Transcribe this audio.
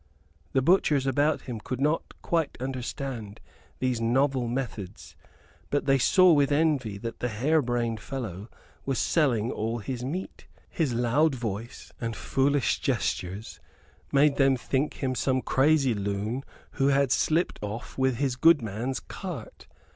The butchers about him could not quite understand these novel methods: but they saw with envy that the harebrained fellow was selling all his meat. His loud voice and foolish gestures made them think him some crazy loon who had slipped off with his good man's cart.